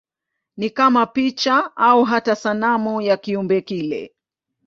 Ni kama picha au hata sanamu ya kiumbe kile.